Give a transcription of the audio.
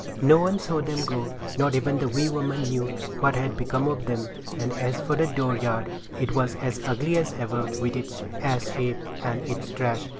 No one saw them go, not even the wee woman knew what had become of them; and as for the dooryard, it was as ugly as ever with its ash heap and its trash.